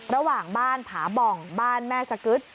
ระหว่างบ้านผาบ่องบ้านแม่สกึ๊ด